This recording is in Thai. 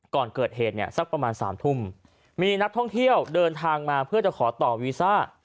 ก่อนเกิดเหตุเนี่ยสักประมาณสามทุ่มมีนักท่องเที่ยวเดินทางมาเพื่อจะขอต่อวีซ่า